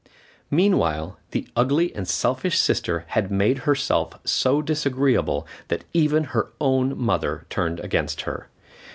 Meanwhile the ugly and selfish sister had made herself so disagreeable that even her own mother turned against her.